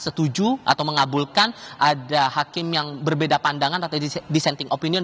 setuju atau mengabulkan ada hakim yang berbeda pandangan atau dissenting opinion